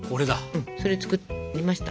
うんそれ作りました。